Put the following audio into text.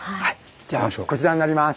じゃあこちらになります。